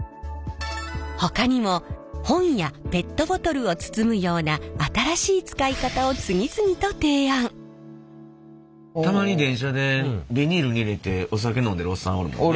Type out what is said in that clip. ほかにも本やペットボトルを包むようなたまに電車でビニールに入れてお酒飲んでるおっさんおるもんね。